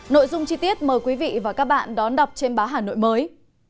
nội dung chi tiết mời quý vị và các bạn đón đọc trên báo hà nội mới